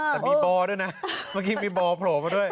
แต่มีบอด้วยนะเมื่อกี้มีบ่อโผล่มาด้วย